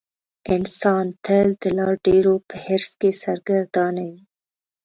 انسان تل د لا ډېرو په حرص کې سرګردانه وي.